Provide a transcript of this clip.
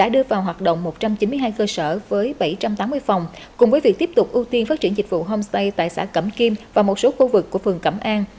đưa vào hoạt động một trăm chín mươi hai cơ sở với bảy trăm tám mươi phòng cùng với việc tiếp tục ưu tiên phát triển dịch vụ homestay tại xã cẩm kim và một số khu vực của phường cẩm an